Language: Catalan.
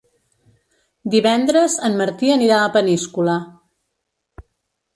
Divendres en Martí anirà a Peníscola.